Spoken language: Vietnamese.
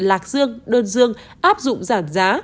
lạc dương đơn dương áp dụng giảm giá